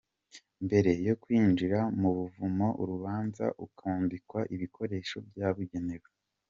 Mbere yo kwinjira mu buvumo urabanza ukambikwa ibikoresho byabugenewe.